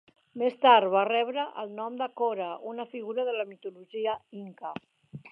Més tard va rebre el nom de Cora, una figura de la mitologia inca.